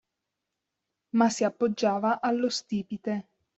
Ma si appoggiava allo stipite.